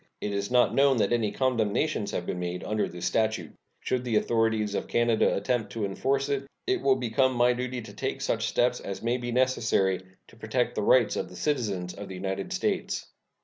It is not known that any condemnations have been made under this statute. Should the authorities of Canada attempt to enforce it, it will become my duty to take such steps as may be necessary to protect the rights of the citizens of the United States.